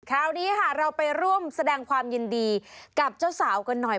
คราวนี้ค่ะเราไปร่วมแสดงความยินดีกับเจ้าสาวกันหน่อย